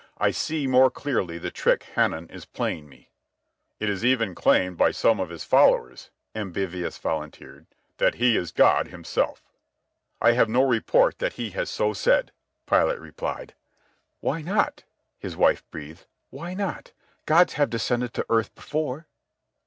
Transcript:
I see more clearly the trick Hanan is playing me." "It is even claimed by some of his followers," Ambivius volunteered, "that he is God Himself." "I have no report that he has so said," Pilate replied. "Why not?" his wife breathed. "Why not? Gods have descended to earth before."